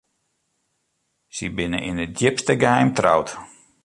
Sy binne yn it djipste geheim troud.